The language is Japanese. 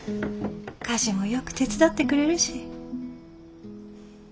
家事もよく手伝ってくれるし。